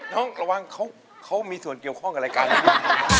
น้องระวังเขามีส่วนเกี่ยวข้องกับรายการนี้ด้วย